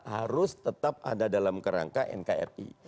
harus tetap ada dalam kerangka nkri